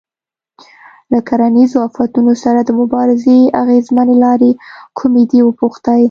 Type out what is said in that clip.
له کرنیزو آفتونو سره د مبارزې اغېزمنې لارې کومې دي وپوښتئ.